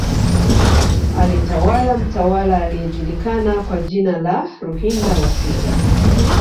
Alitawala mtawala aliyejulikana kwa jina la Ruhinda wa sita